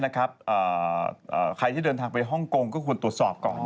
ใครที่เดินทางไปฮ่องกงก็ควรตรวจสอบก่อน